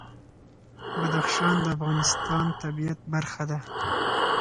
بدخشان د افغانستان د طبیعت برخه ده.